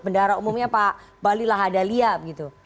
bendara umumnya pak bahlila hadaliah